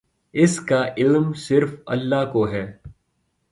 اس کا علم صرف اللہ کو ہے۔